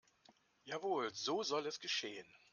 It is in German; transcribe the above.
Jawohl, so soll es geschehen.